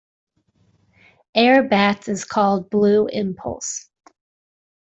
Airbats is called Blue Impulse.